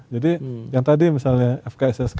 jadi yang tadi misalnya fkssk